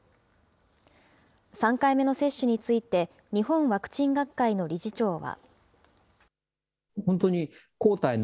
３回目の接種について、日本ワクチン学会の理事長は。